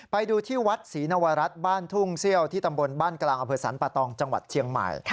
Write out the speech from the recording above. ไปดูที่วัดศรีนวรัฐบ้านทุ่งเซี่ยวที่ตำบลบ้านกลางอำเภอสรรปะตองจังหวัดเชียงใหม่